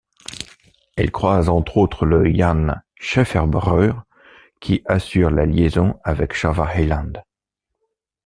Elle croise entre autres le Jan Schaeferbrug, qui assure la liaison avec Java-eiland.